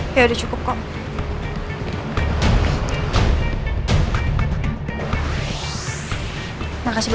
dia bisa berikan sampejm artistuto